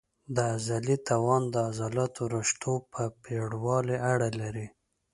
د عضلې توان د عضلاتي رشتو په پېړوالي اړه لري.